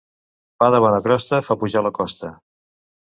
Pa de bona crosta fa pujar la costa.